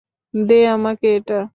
দে আমাকে এটা।